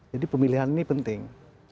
jadi pemilihan ini penting